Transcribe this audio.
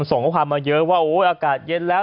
ส่งข้อความมาเยอะว่าโอ้ยอากาศเย็นแล้ว